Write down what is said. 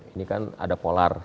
ini kan ada polar